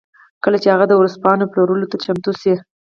کله چې هغه د ورځپاڼو پلورلو ته چمتو شي